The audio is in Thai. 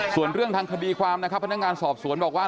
ส่วนเรื่องทางคดีความนะครับพนักงานสอบสวนบอกว่า